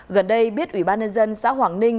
gần đây biết ủy ban nhân dân xã hoàng ninh